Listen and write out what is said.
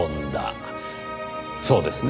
そうですね？